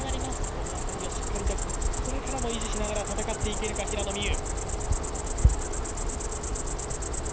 この辺りをしっかりと、これからも維持して戦っていけるか、平野美宇。